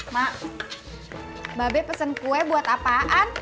mak mbak be pesen kue buat apaan